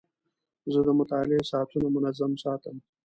زه د مطالعې ساعتونه منظم ساتم.